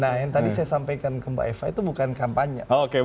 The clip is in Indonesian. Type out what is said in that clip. nah yang tadi saya sampaikan ke mbak eva itu bukan kampanye